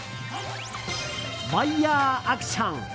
ワイヤアクション。